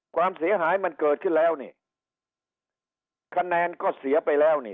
ความเสียหายมันเกิดขึ้นแล้วนี่คะแนนก็เสียไปแล้วนี่